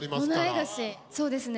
そうですね